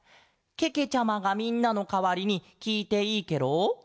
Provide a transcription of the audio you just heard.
けけちゃまがみんなのかわりにきいていいケロ？